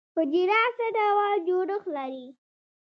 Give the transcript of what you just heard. حجره څه ډول جوړښت لري؟